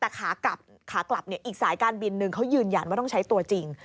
แต่ขากลับขากลับอีกสายการบินนึงเขายืนยันว่าต้องใช้ตัวจริง